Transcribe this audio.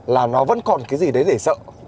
là nó vẫn còn cái gì đấy để sợ